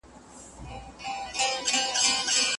محکوم باید زیان ونه ویني.